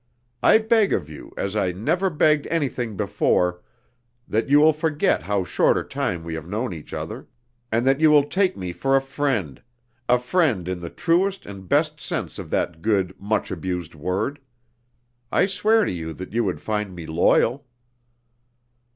I beg of you, as I never begged anything before, that you will forget how short a time we have known each other, and that you will take me for a friend a friend in the truest and best sense of that good, much abused word. I swear to you that you would find me loyal."